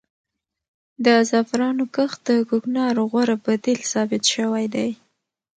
د زعفرانو کښت د کوکنارو غوره بدیل ثابت شوی دی.